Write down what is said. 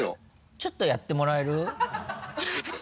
ちょっとやってもらえる？